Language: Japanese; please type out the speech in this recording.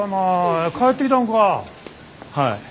はい。